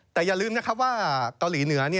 แต่อย่าลืมนะครับว่าเกาหลีเหนือ